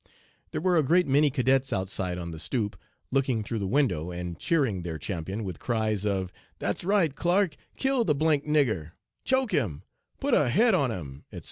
There were a great many cadets outside on the stoop, looking through the window, and cheering their champion, with cries of 'That's right, Clark; kill the d d nigger,' 'Choke him,' 'Put a head on him,' etc.